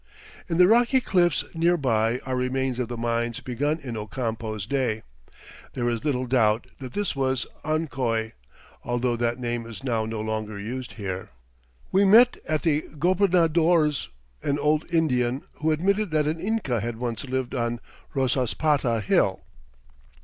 In the rocky cliffs near by are remains of the mines begun in Ocampo's day. There is little doubt that this was Onccoy, although that name is now no longer used here. We met at the gobernador's an old Indian who admitted that an Inca had once lived on Rosaspata Hill.